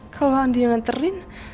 kalau andi nganterin